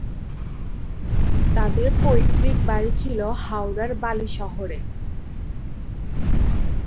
তাদের পৈতৃক বাড়ি ছিল হাওড়ার বালি শহরে।